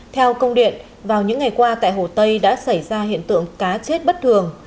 theo công điện vào những ngày qua tại hồ tây đã xảy ra hiện tượng cá chết bất thường